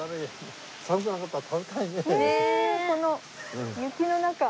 この雪の中。